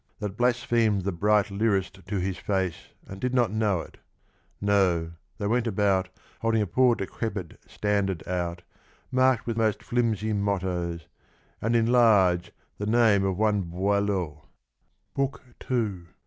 That blasphemed the bright Lyrist to his face, And did not know it, — no, they went about Holding a poor, decrepid standard out Mark'd with most flimsy mottos, and in large The name of one Boileau